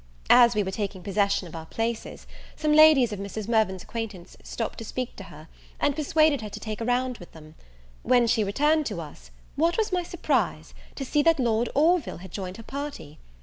As we were taking possession of our places, some ladies of Mrs. Mirvan's acquaintance stopped to speak to her, and persuaded her to take a round with them. When she returned to us, what was my surprise, to see that Lord Orville had joined her party!